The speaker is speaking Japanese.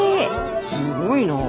すごいなあ。